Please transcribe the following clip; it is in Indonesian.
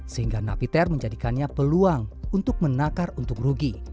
sehingga napiter menjadikannya peluang untuk menakar untuk rugi